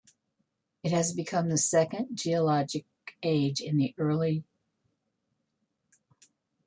It has become the second geologic age in the Early Pleistocene.